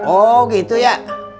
oh gitu ya